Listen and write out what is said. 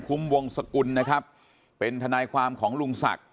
วงสกุลนะครับเป็นทนายความของลุงศักดิ์